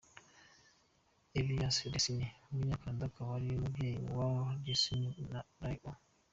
Elias Disney, umunyacanada akaba ari umubyeyi wa Walt Disney na Roy O.